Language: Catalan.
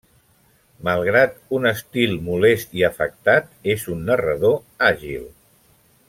Malgrat un estil molest i afectat, és un narrador àgil.